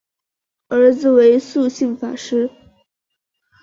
儿子为素性法师。